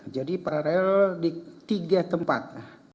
jadi paralel di tiga tempat